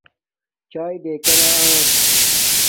چاݵے ڈکانا آن